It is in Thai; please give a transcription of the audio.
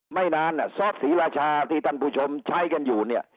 ไม่นานซอสศรีราชาที่ท่านผู้ชมใช้กันอยู่เนี่ย